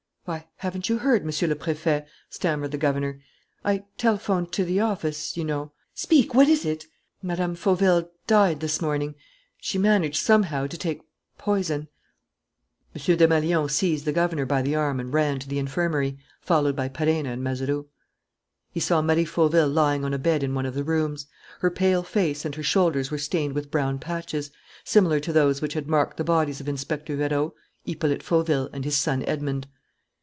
"Why, haven't you heard, Monsieur le Préfet?" stammered the governor. "I telephoned to the office, you know " "Speak! What is it?" "Mme. Fauville died this morning. She managed somehow to take poison." M. Desmalions seized the governor by the arm and ran to the infirmary, followed by Perenna and Mazeroux. He saw Marie Fauville lying on a bed in one of the rooms. Her pale face and her shoulders were stained with brown patches, similar to those which had marked the bodies of Inspector Vérot, Hippolyte Fauville, and his son Edmond.